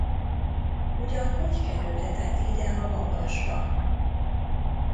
Ugyan hogy kerülhetett ide a magasba?